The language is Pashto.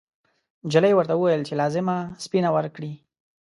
نجلۍ ورته وویل چې لازمه سپینه ورکړي.